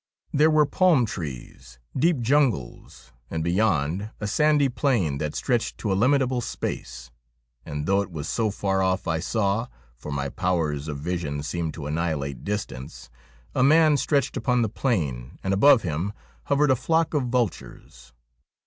There were palm trees, deep jungles, and beyond a sandy plain that stretched to illimitable space, and though it was so far off I saw — for my powers of vision seemed to annihilate distance— a man strotched upon the plain, and above him hovered a flock of vulturos.